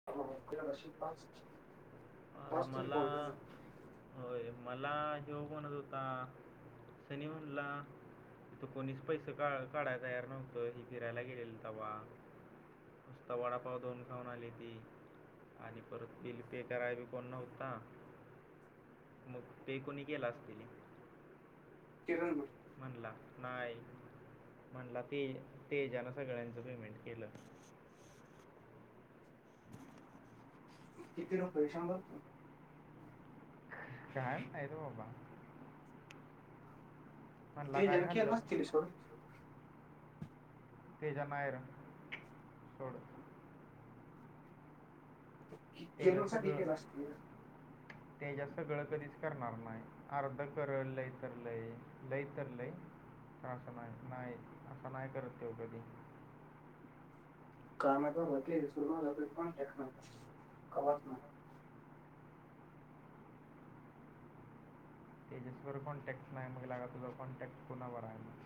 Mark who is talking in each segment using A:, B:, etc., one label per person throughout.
A: [unintelligible]
B: अरे
A: पाच तरी
B: मला
A: कॉल
B: होय मला हेऊ म्हणत होता. त्यांनी म्हनला. त कोणीच पैस का काढायला तयार नव्हतं हे फिरायला गेलेल तवा. आता वडापाव दोन खाऊन आली ती आणि परत पिलपेक. करायला बी कोण नव्हता मग तेे कोणी केला असतील?
A: किरण नी.
B: म्हणला नाही म्हणला ते तेजान सगळ्यांचं पेमेंट केलं.
A: किती रुपये सांगा.
B: काय नाही र बाबा. म्हणला
A: तेजान
B: काय खाल्लं
A: केला असतील हिशोब.
B: तेज्या नाय र सोड.
A: रिकामा ऑडिओ
B: तेजा सगळ... तेज्या सगळं कधीच करणार नाही अर्ध कर लय तर लय लय तर लय. [unintelligible]
A: [unintelligible]
B: तेजसवर कॉन्टॅक्ट नाही मग लेका तुझा कॉन्टॅक्ट कोणावर राहिला?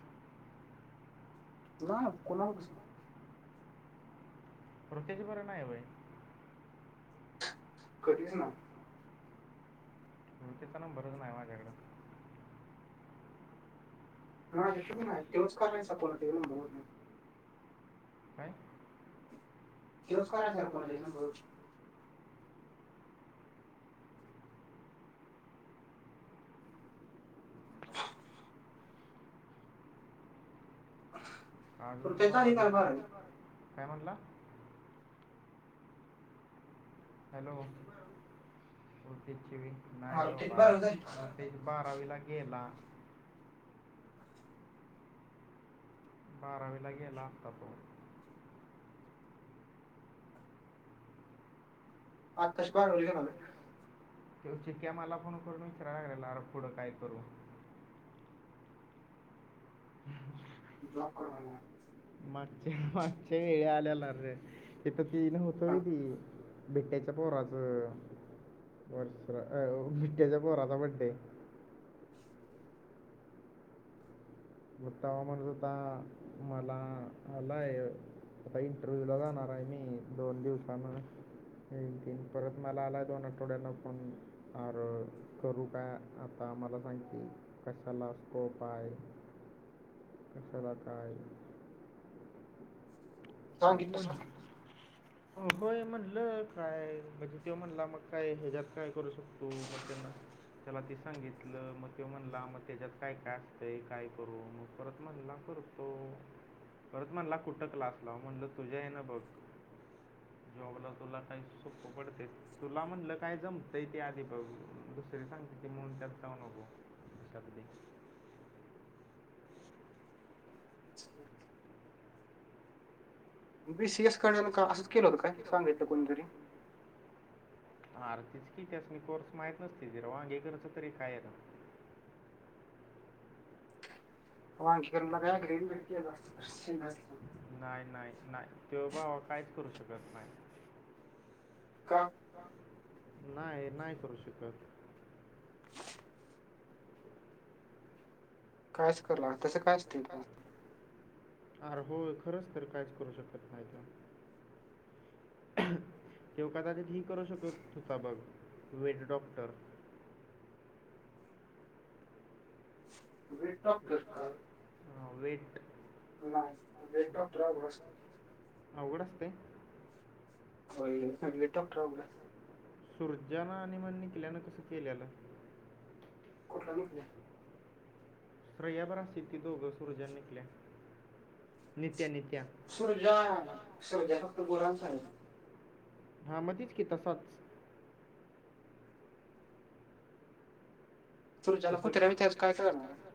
A: कुणाल, कुणालपाशी.
B: प्रतीक वर नाय व्हय.
A: कधीच नाहीं.
B: [unintelligible] नंबरच नाय माझ्याकडे.
A: [unintelligible]
B: काय?
A: [unintelligible]
B: [unintelligible]
A: तर ते झाली काय बारावी
B: काय म्हनला? हॅलो.
A: मला त्याची बारावी झाली का
B: [unintelligible] एक बारावीला गेला. बारावीला गेला अत्ता तो.
A: आत्ताश बाहेर गेला तो.
B: ते चितक्या मला फोन करून विचाराय लागल अरे पुढं काय करू?
A: जॉब कर म्हन.
B: मागच्या मागच्या वेळे आलेणार रे तिथ बेन होत तें. बिट्ट्याच्या पोराचं वर्स बिट्ट्याच्या पोराचा बड्डे हाय. होता ओ म्हनलं त मला आला. आता इंटरव्यूला जाणार आहे मी दोन दिवसान. एक तीन परत मला आला दोन आठवड्याला फोन. अर करू काय आता मला सांग की कशाला स्कोप हाय? [unintelligible]
A: [unintelligible]
B: हो होय? म्हणलं काय म्हणजे तेव म्हणला मग काय ह्याच्यात काय करू शकतो मग त्यांना त्याला ते सांगितलं मग ततो म्हणला मग त्याच्यात काय काय असतं काय करू मग परत म्हणला करू
A: [unintelligible]
B: परत म्हणला कुठं क्लास लाव म्हणलं तुझ्या हे ना बघ. जॉबला तुला काही सोप्प पडते. तुला म्हटलं काय जमत इ ती आधी भाऊ दुसरी सांगते की म्हून त्यात जाऊ नको. क
A: ब [unintelligible] बीसी एस
B: पी सी
A: करण्याने का असंच
B: काढून
A: केलं होत काय
B: असं होतं
A: सांगितलं कोणीतरी?
B: हरतीच कितीस मी कोर्स माहित नसतेत र हेे करचं तरी काय ना
A: हवांगकर
B: आणखी
A: लागय गरी मिकी
B: काय
A: ब
B: नाही नाही नाही ते बा काहीच करू शकत नाही.
A: का?
B: नाही नाही करू शिकत.
A: कायच
B: काय
A: कला तसं
B: असतं
A: कायचतील प
B: अर हो खरंच तर काहीच करू शकत नाहीत. तेव कदाचित ह करू शकत तोचा बघ वेट डॉक्टर
A: वेट डॉक्टर का?
B: वेट
A: नाय मी डॉक्टर अवघड असते.
B: अवघड असतय?
A: [unintelligible]
B: सूरज्यां आणि म निकल्यानं कसं केलेलं?
A: पला
B: श्रेया बर असतेत ती दोघं सूरज्या, निघल्या, नित्या नित्या.
A: सुरजा
B: सूर्या
A: सर्जा फक्त
B: सूर्या
A: गुरांचा आहे.
B: कोणाचं? हा मधच की तसांच. तसं
A: सुरजाला
B: सूर्याला
A: कुत्र्याचं काय
B: कुत्र्याने
A: कळणार
B: त्याच
A: नाय.
B: झालं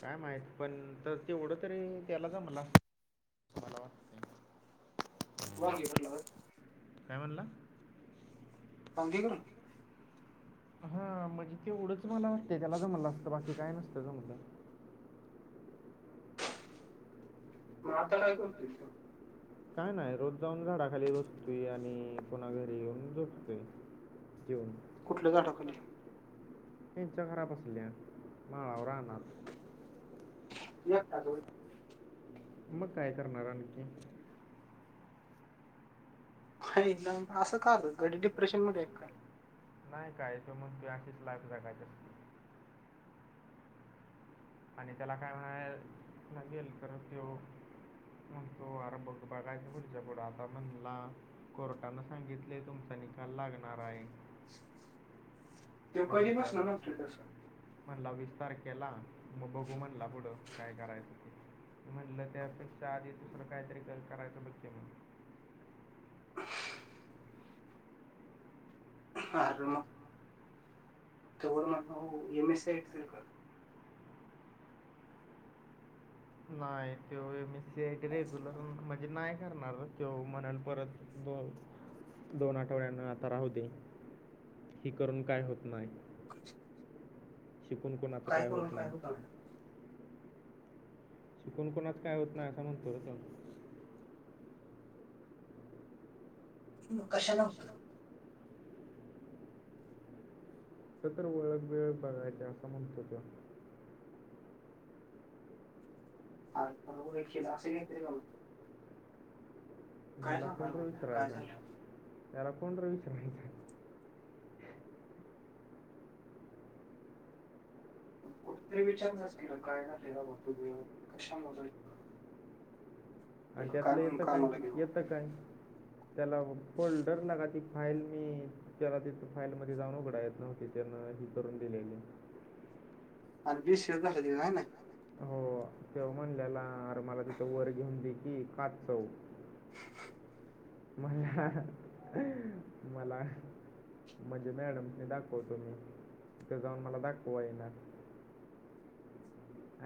B: काय माहित पण तर तेवढं तरी त्याला जा मला वाटतंय.
A: मग फलावर
B: काय म्हणला?
A: समज ग?
B: हा म्हणजे तेवढंच मला वाटते त्याला जमलं असतं बाकी काय नसतं जमलं.
A: म आता काय करतोयस त्यो?
B: काय नाही रोज जाऊन झाडाखाली बसतोय आणि पुणा घरी येऊन झोपतोय. येेऊन
A: कुठल्या झाडा खाली?
B: हिंच्या खराब असल्या माळावर रानात
A: एकटाच होय.
B: मग काय करणार आणखी?
A: असं का र घडी डिप्रेशन मध्ये का?
B: नाही काय तो मग त अशीच लाईफ जायच्या आणि त्याला काय म्हणा लागेल त्यो तो व बघकायच पुुच्या पड आता म्हणला कोर्टानं सांगितलेय तुमचा निकाल लागणार आहे.
A: तो
B: तर
A: कधीपासून
B: ह्याच्यात
A: म्हणतोय तसा?
B: म्हणला विस्तार केला मा बघू म्हणला पुढं काय करायचं. म्हटलं त्यापेक्ष आधी दुसरं कायतरी ग करायचं ब्य म्हण
A: ह मग तवर म एम एस आयटी का
B: नाही ते मी सी आयट रेग्युलर म्हणजे नाही करणार ते म्हणाल परत दोन दोन आठवड्यांना आता राहू दे ही करून काय होत नाही
A: अ
B: शीकून कोणाचं काय होत नाही
A: म्हणलं.
B: कोणकोणत काय होत नाही असं म्हणतो र
A: ह कशा
B: तो तर ओळख वेळ बघायच असं म्हणतो त
A: ह ओळखीचं असेल कायतरी
B: ह्याला
A: सांगणार
B: कोण र
A: म्हणला काय
B: विचारायचं
A: झालं
B: ह्याला कोण र विचारायचं
A: कुठेतरी विचारणारच की काय ना ते कशामुळे
B: आणि
A: तुला
B: त्यातलं
A: म्हणून
B: येतं काय
A: कामाला घेऊ
B: येतं काय त्याला फोल्डर लागा ती फाईल मी त्याला तिथ फाईल मध्ये जाऊन उघडा येत नव्हते त्यांना ही करून दिलेली
A: आणि बी. सी. ए झालं त्याच हाय ना
B: हो तेव्हा म्हणलेला अरे मला तिथं वर घेऊन दे की काच चव मला मला म्हणजे मॅडमने दाखवतो मी तिथं जाऊन मला दाखवा येणार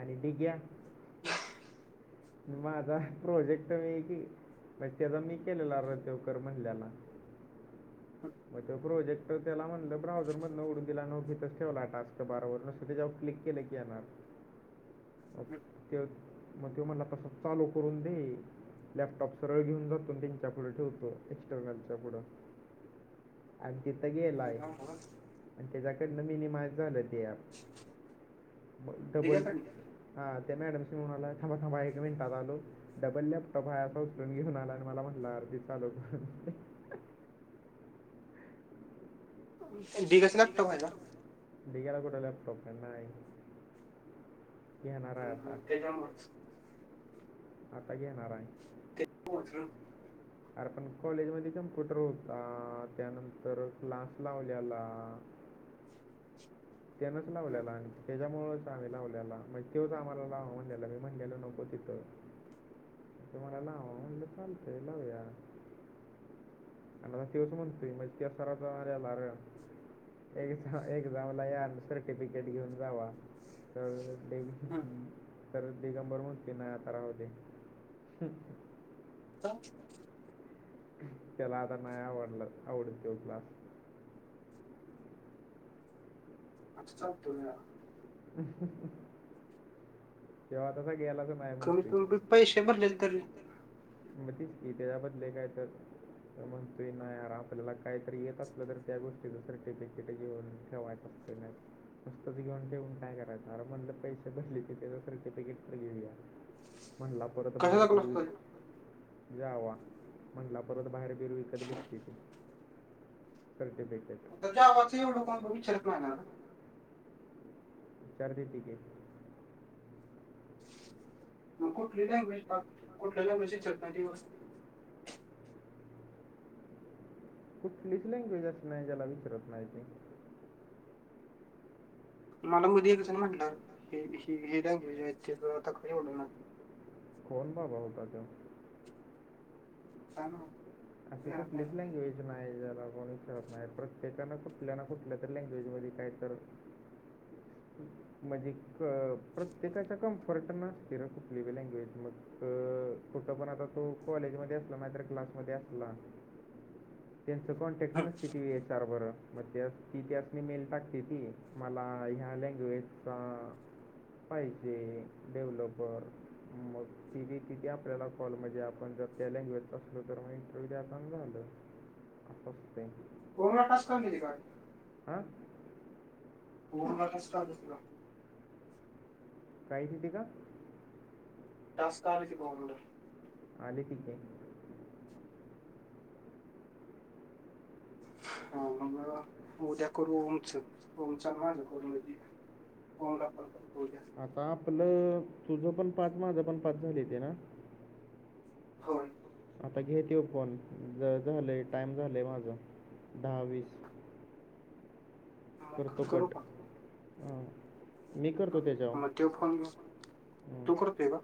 B: आणि दिग्या
A: ह
B: माझ प्रोजेक्ट मी पण तेचा मी केलेला र तो कर म्हणल्याला मग तो प्रोजेक्टर त्याला म्हणलं ब्राऊझर मधे नवडून दिला आणि इथेच ठेवला टास्क बारवर नुसत त्याच्यावर क्लिक केले क येणार म ते मग ते मला तस चालू करून दे लॅपटॉप सरळ घेऊन जातून त्यांच्या पुढं ठेवतो एक्स्टर्नलच्या पुढं तिथे गेलाय
A: दिघा म्हणा
B: आणि त्याच्याकडनं मिनिमाइज झालं ते डबल
A: दिघ्याकडनं
B: हा त्या मॅडमशी म्हणाला थांबा थांबा आहे एक मिनिटात आलो डबल लॅपटॉप आहे असा उचलून घेऊन आला आणि मला म्हटलं अर दे चालू करुन
A: दिघ्याचा
B: एकच
A: आहे ना
B: लॅपटॉप आहे दिग्याला कुठे लॅपटॉप आहे नाय घेणार आहे आता
A: त्याच्यामुळेच
B: आता घेणार आहे
A: ते
B: अर पण कॉलेज मध्ये कम्प्युटर होता त्यानंतर क्लास लावल्याला त्यानेच लावल्याला आणि त्याच्या मुळेच आम्ही लावल्याला म तोच आम्हाला लाव म्हणलेला मी म्हणलेलो नको तिथं ते मला नाव म्हणलं चालतय लवूया आणि तोच म्हणतोय म्हणज त्या सरांचा एक्झामला या सर्टिफिकेट घेऊन जावा
A: हां
B: तर दिगंबर म्हणतोय नाही आता राहूदे
A: चा
B: त्याला आता नाही आवडलं आवडत तो क्लास
A: अस चालत होय
B: तेव्हा तसा गेलाच नाही
A: कमीत
B: म्हणतोय
A: कमी पैसे भरले का र
B: मग तीच की त्याच्या बदले काय तर तर म्हणतो नाही यार आपल्याला काहीतरी येत असलं तर त्या गोष्टीच सर्टिफिकेट घेऊन ठेवायच असत नुसतंच घेऊन ठेवून काय करायच आर पैसे भरलेत त्याच सर्टिफिकेट तर घेऊया म्हणाला म्हणलं
A: कशा लागला होता
B: परत बाहेर जावा विकत भेटीत सर्टिफिकेट तर
A: जावाचं एवढं
B: गावाचं
A: कोण विच्ारत
B: मोठं
A: नाहीहिणार
B: चारदी तके
A: मग कुठली लँग्वेज कुठल्या लँग्वेजची चलवस्
B: कूपिस लँंग्वेज अस नाही जला विचरत नाही थिक
A: मला मग एकसं
B: मध्ये
A: नाही
B: एक म्हणतात
A: म्हटणार हे लँग्वेज आहे तर आता क बोलणार
B: कोण बाबा होता त
A: का ना
B: असे कुठलीच लँग्वेज नाहीला कोणीरत नाही प्रत्येकान कुठल्या ना कुठल्या त लँग्वेज म काहीत म्हणजे प्रत्येकाच्या कम्फर्ट न असतील र कुठ लि लँग्वेज मग तर कुठं पण आता तो कॉलेजमध्येध्ये असला मत्र क्लासमध्ये असला
A: [inaudible]
B: त्यांचं कॉन्टॅक्ट न स्िती सारबरं मग त्या ती त्यास मी मेल टाकते ती मला ह्या लँग्वेजचा फाई जी डेव्हलपर मग टी व्ही तिथ आपल्याला कॉल म्हणजे आपण जर त्या लँ्वेज असलो तर ल अ
A: कोरोना टास कर त का
B: हा
A: को क कष्टाजतथ
B: काय तिथे का
A: त्यास्था पवो
B: आले ठीक आहे
A: हा मग उद्या करून उंच ंचाल करून बोड आपणून
B: आता आपलं तुझ पण पाच माझं पण पाच झाली ते ना
A: हो
B: आता घेत ये ओपन ज झालंय टाइम झालाय माझं दहावीीस
A: मग करू
B: करतकट
A: का
B: मी करतो त्याच्यावर
A: मग तो फोन तू करतोय का